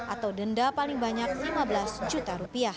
atau denda paling banyak lima belas juta rupiah